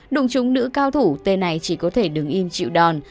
đụng chúng nữ cao thủ tên này chỉ có thể đứng im chịu đòn